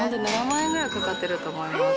７万円ぐらいかかってると思います。